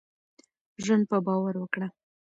ژوند په باور وکړهٔ.